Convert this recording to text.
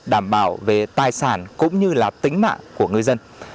đảm bảo về tài sản cũng như là tính mạng của người dân